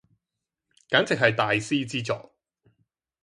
簡直係大師之作